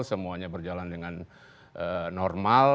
semuanya berjalan dengan normal